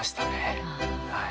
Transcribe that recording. はい。